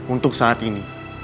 untuk saat ini